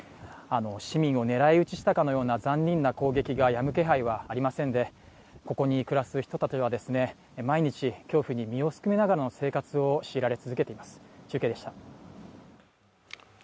市民を狙い撃ちしたかのような残忍な攻撃がやむ気配はありませんで、ここに暮らす人たちが毎日恐怖に身をすくめながらの生活を強いられています。